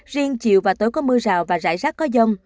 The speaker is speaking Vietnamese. riêng chiều và tối có mưa rào và rải rác có dông